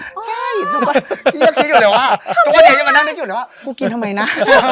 ใช่ทุกคนอยากคิดอยู่เลยว่ากูกินทำไมนะ